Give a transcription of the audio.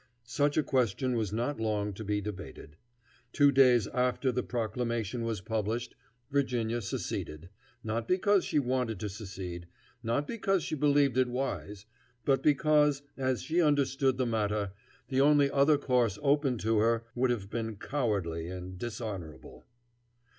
Such a question was not long to be debated. Two days after the proclamation was published Virginia seceded, not because she wanted to secede, not because she believed it wise, but because, as she understood the matter, the only other course open to her would have been cowardly and dishonorable.